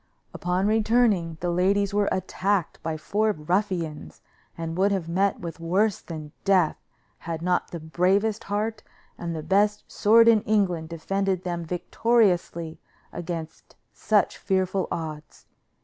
Upon returning, the ladies were attacked by four ruffians, and would have met with worse than death had not the bravest heart and the best sword in England defended them victoriously against such fearful odds.